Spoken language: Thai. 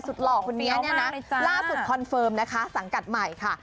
หล่อคนนี้เนี่ยนะล่าสุดคอนเฟิร์มนะคะสังกัดใหม่ค่ะ